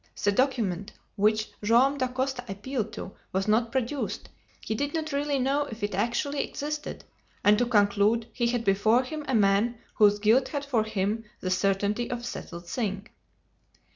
The document which Joam Dacosta appealed to was not produced; he did not really know if it actually existed; and to conclude, he had before him a man whose guilt had for him the certainty of a settled thing.